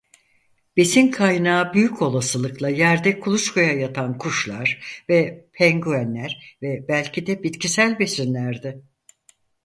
Besin kaynağı büyük olasılıkla yerde kuluçkaya yatan kuşlar ve penguenler ve belki de bitkisel besinlerdi.